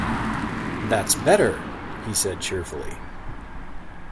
"That's better," he said cheerfully.